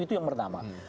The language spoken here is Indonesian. itu yang pertama